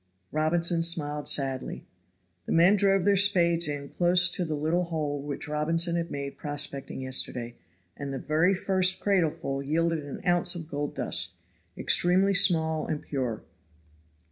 Robinson smiled sadly. The men drove their spades in close to the little hole which Robinson had made prospecting yesterday, and the very first cradleful yielded an ounce of gold dust extremely small and pure.